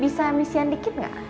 bisa misian dikit ga